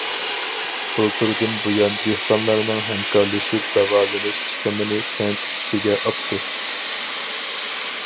بۇلتۇردىن بۇيان دېھقانلارنىڭ ھەمكارلىشىپ داۋالىنىش چىقىمىنى كەنت ئۈستىگە ئاپتۇ.